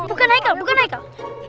bukan haikal bukan haikal